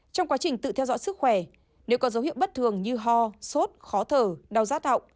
trong quá trình tự theo dõi sức khỏe nếu có dấu hiệu bất thường như ho sốt khó thở đau rát họng